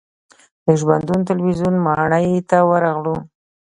د ژوندون تلویزیون ماڼۍ ته ورغلو.